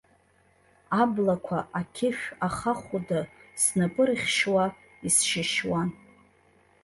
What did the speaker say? Аблақәа, ақьышә, ахахәда, снапы рыхьшьуа, исшьышьуан.